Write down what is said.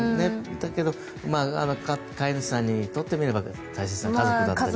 だけど飼い主さんにとってみれば大切な家族。